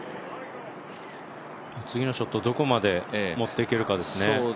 次のショット、どこまで持っていけるかですね。